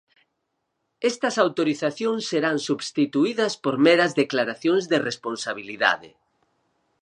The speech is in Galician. Estas autorizacións serán substituídas por meras declaracións de responsabilidade.